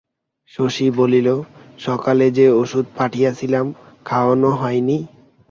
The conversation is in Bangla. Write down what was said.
শশী বলিল, সকালে যে ওষুধ পাঠিয়েছিলাম খাওয়ানো হয়নি?